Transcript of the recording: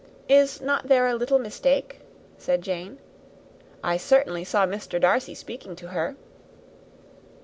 Is not there a little mistake?" said Jane. "I certainly saw Mr. Darcy speaking to her."